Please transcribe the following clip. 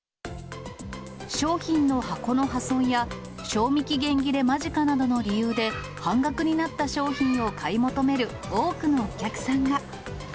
商品の箱の破損や、賞味期限切れ間近などの理由で、半額になった商品を買い求める多くのお客さんが。